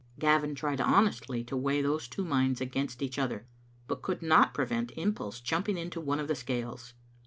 Gavin tried honestly to weigh those two minds against each other, but could not prevent impulse jumping into one of the scales.